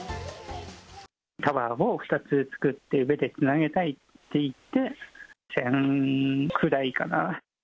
タワーを２つ作って上でつなげたいって言って、１０００くらいかな。